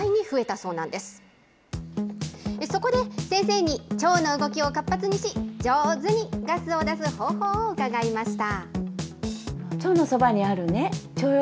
そこで、先生に腸の動きを活発にし、上手にガスを出す方法を伺いました。